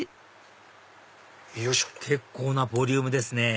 結構なボリュームですね